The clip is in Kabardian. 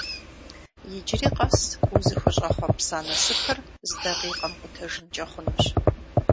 Иджыри къэс узыщӀэхъуэпса насыпыр зы дакъикъэм къутэжынкӀэ хъунущ.